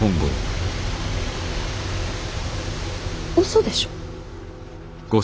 嘘でしょ。